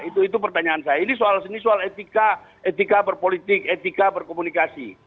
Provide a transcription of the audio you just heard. itu pertanyaan saya ini soal etika berpolitik etika berkomunikasi